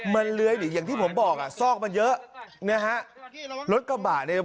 มันเลื้อยอย่างที่ผมบอกอ่ะซอกมันเยอะนะฮะรถกระบะเนี่ย